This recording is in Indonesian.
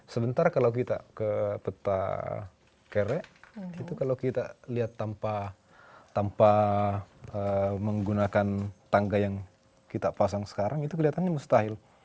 sebentar kalau kita ke peta kerek itu kalau kita lihat tanpa menggunakan tangga yang kita pasang sekarang itu kelihatannya mustahil